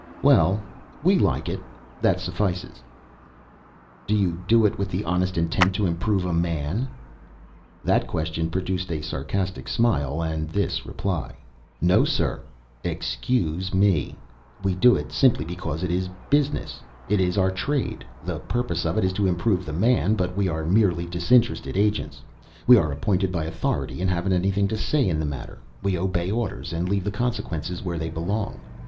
"Well, WE like it; that suffices." "Do you do it with the honest intent to improve a man?" That question produced a sarcastic smile, and this reply: "No, sir. Excuse me. We do it simply because it is 'business.' It is our trade. The purpose of it is to improve the man, but we are merely disinterested agents. We are appointed by authority, and haven't anything to say in the matter. We obey orders and leave the consequences where they belong.